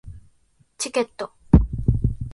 チケット